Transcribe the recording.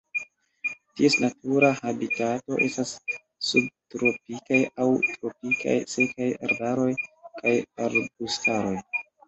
Ties natura habitato estas subtropikaj aŭ tropikaj sekaj arbaroj kaj arbustaroj.